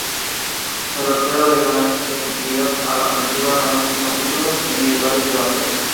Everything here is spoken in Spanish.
Pelotero de gran efectividad a la ofensiva, ganó cinco títulos individuales de bateo.